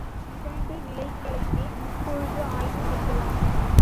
இரண்டு நிலைகளையுமே இப்பொழுது ஆய்வு செய்யலாம்.